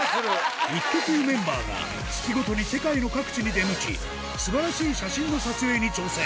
イッテＱメンバーが、月ごとに世界の各地に出向き、すばらしい写真の撮影に挑戦。